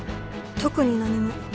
特に何も。